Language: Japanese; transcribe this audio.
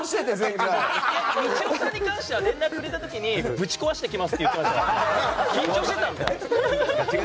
みちおさんに関しては連絡くれた時にぶち壊してきますって言ってたけど緊張してたのかよ！